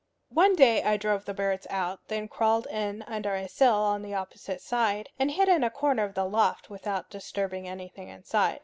One day I drove the birds out, then crawled in under a sill on the opposite side, and hid in a corner of the loft without disturbing anything inside.